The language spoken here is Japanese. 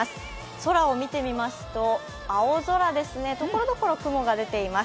空を見てみますと、青空ですねところどころ、雲が出ています。